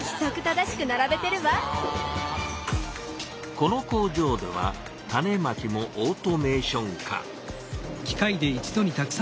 この工場では種まきもオートメーション化。